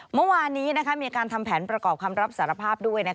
เมื่อวานนี้มีการทำแผนประกอบคำรับสารภาพด้วย